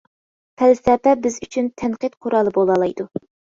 پەلسەپە بىز ئۈچۈن تەنقىد قورالى بولالايدۇ.